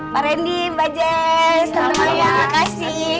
pak randy mbak jess teman teman terima kasih